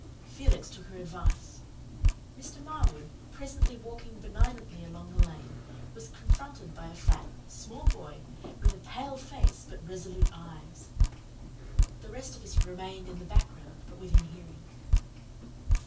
Felix took her advice. Mr. Marwood, presently walking benignantly along the lane, was confronted by a fat, small boy with a pale face but resolute eyes. The rest of us remained in the background but within hearing.